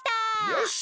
よし！